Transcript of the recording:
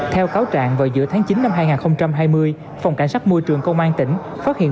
theo cáo trạng vào giữa tháng chín năm hai nghìn hai mươi phòng cảnh sát môi trường công an tỉnh phát hiện